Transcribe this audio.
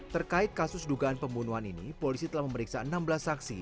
terkait kasus dugaan pembunuhan ini polisi telah memeriksa enam belas saksi